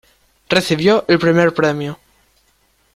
Recibió el primer premio.